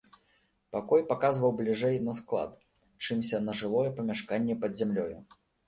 Пакой паказваў бліжэй на склад, чымся на жылое памяшканне пад зямлёю.